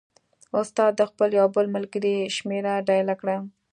استاد د خپل یو بل ملګري شمېره ډایله کړه.